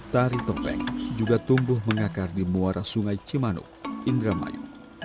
tari topeng juga tumbuh mengakar di muara sungai cimanuk indramayu